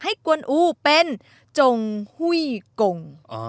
กวนอูเป็นจงหุ้ยกง